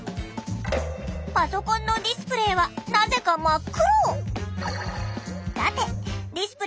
パソコンのディスプレーはなぜか真っ黒。